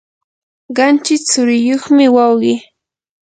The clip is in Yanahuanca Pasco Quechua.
qanchis tsuriyuqmi wawqi.